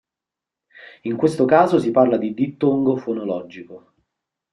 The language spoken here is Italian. In questo caso si parla di dittongo fonologico.